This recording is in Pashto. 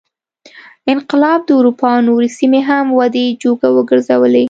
انقلاب د اروپا نورې سیمې هم ودې جوګه وګرځولې.